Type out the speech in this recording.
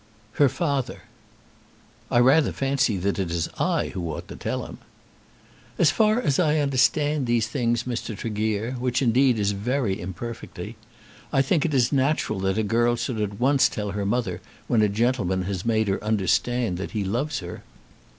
"Her father." "I rather fancy that it is I who ought to tell him." "As far as I understand these things, Mr. Tregear, which, indeed, is very imperfectly, I think it is natural that a girl should at once tell her mother when a gentleman has made her understand that he loves her."